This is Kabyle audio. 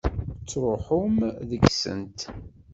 Tṛuḥem deg-sent.